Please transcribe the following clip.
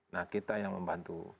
nah kita yang membantu